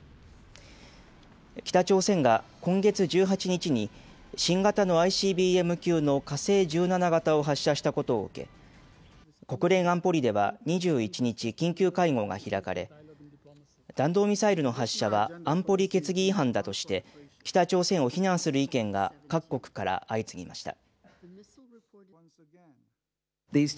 北朝鮮が今月１８日に新型のＩＣＢＭ級の火星１７型を発射したことを受け、国連安保理では２１日、緊急会合が開かれ弾道ミサイルの発射は安保理決議違反だとして北朝鮮を非難する意見が各国から相次ぎました。